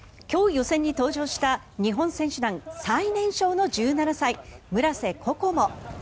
今日、予選に登場した日本選手団最年少の１７歳村瀬心椛。